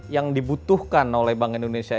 yang dibutuhkan oleh bank indonesia